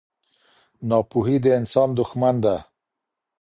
ناپوهي د انسان دښمن ده.